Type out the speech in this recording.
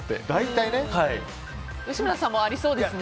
吉村さんもありそうですね。